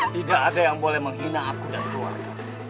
tidak ada yang boleh menghina aku dan keluarga